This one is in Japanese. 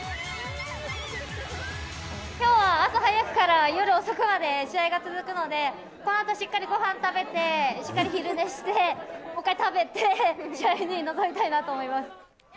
きょうは朝早くから夜遅くまで試合が続くので、このあとしっかりごはん食べて、しっかり昼寝して、もう一回食べて試合に臨みたいと思います。